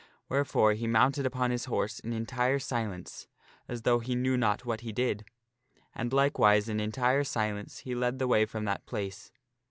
Wherefore he mounted upon his horse in entire silence, as though he knew not what he did. And likewise in entire silence he led the way from that place.